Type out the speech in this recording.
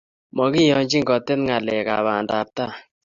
Mokiyonchin kotet ngalekab bandap tai